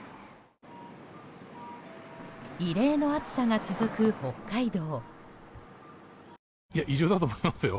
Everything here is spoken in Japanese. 異例の暑さが続く北海道。